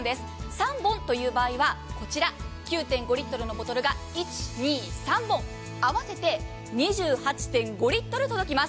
３本という場合はこちら９．５リットルのボトルが３本合わせて２８．５リットル届きます。